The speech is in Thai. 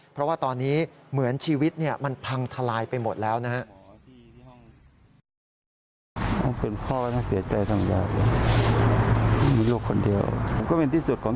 เพราะว่าตอนนี้เหมือนชีวิตมันพังทลายไปหมดแล้วนะครับ